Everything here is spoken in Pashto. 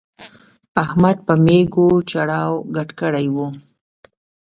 احمد په مېږو چړاو ګډ کړی وو.